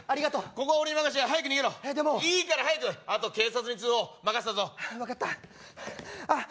ここは俺に任して早く逃げろいいから早くあと警察に通報任したぞ分かったあっ